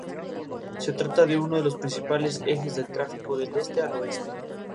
Se trata de uno de los principales ejes de tráfico del este al oeste.